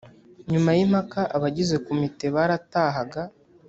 nyuma y’impaka abagize komite baratahaga